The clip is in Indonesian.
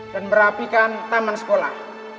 dan merapikan taman sekolah